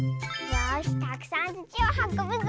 よしたくさんつちをはこぶぞ。